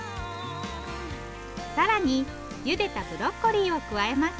更にゆでたブロッコリーを加えます。